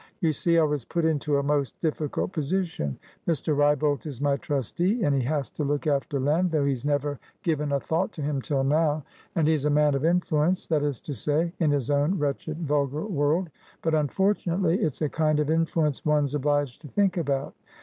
You see, I was put into a most difficult position. Mr. Wrybolt is my trustee, and he has to look after Lenthough he's never given a thought to him till nowand he's a man of influence; that is to say, in his own wretched, vulgar world, but unfortunately it's a kind of influence one's obliged to think about.